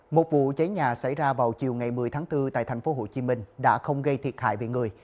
một vụ cháy nhà xảy ra vào chiều ngày một mươi tháng bốn tại thành phố hồ chí minh đã không gây thiệt hại về người